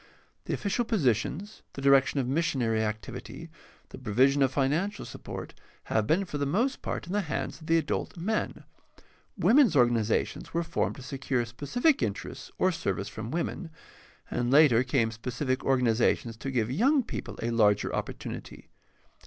The official positions, the direction of missionary activity, the provision of financial support have been for the most part in the hands of the adult men; women's organizations were formed to secure specific interests or service from women, and later came specific organizations to give young people a larger opportunity.